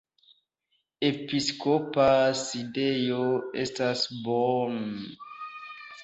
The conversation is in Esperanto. Episkopa sidejo estas Bonn.